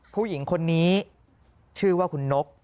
ผู้หญิงคนนี้ชื่อว่าคุณนก